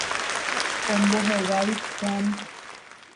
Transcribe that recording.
Ombohovái Juan.